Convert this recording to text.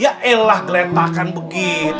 yaelah geletakan begitu